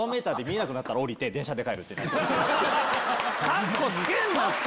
カッコつけんなって！